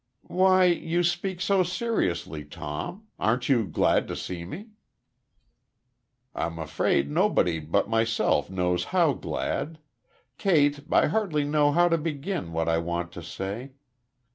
"Why, you speak so seriously, Tom. Aren't you glad to see me?" "I'm afraid nobody but myself knows how glad.... Kate, I hardly know how to begin what I want to say.